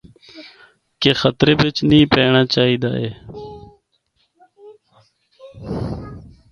کہ خطرہ بچ نیں پینڑاں چاہی دا اے۔